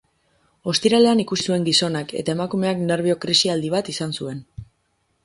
Ostiralean ikusi zuen gizonak, eta emakumeak nerbio krisialdi bat izan zuen.